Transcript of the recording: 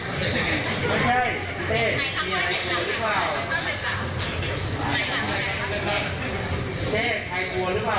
เจ็บที่เดียวใช่มั้ย